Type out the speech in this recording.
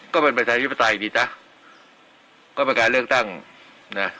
ก็เป็นประชาชนภิษฐาอีกดีจ๊ะ